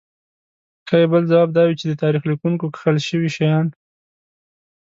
ښايي بل ځواب دا وي چې د تاریخ لیکونکو کښل شوي شیان.